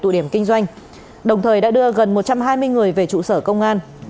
đồng thời đã đưa gần một trăm hai mươi người về trụ sở công an